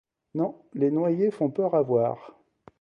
Non, les noyés font peur à voir.